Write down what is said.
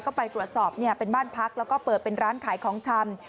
ก็ไปตรวจสอบเป็นบ้านพักแล้วก็เปิดเป็นร้านขายของชำ